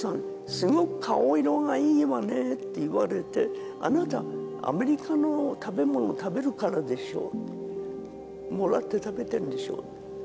すごく顔色がいいわねって言われてあなたアメリカの食べ物食べるからでしょうもらって食べてんでしょう